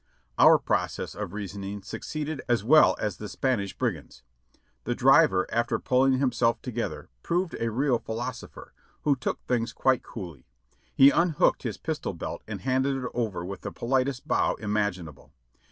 Our process of reasoning succeeded as well as the Spanish brigands'. The driver after pulling himself together proved a real philosopher, who took things quite coolly; he unhooked his pis tol belt and handed it over w^ith the politest bow imaginable.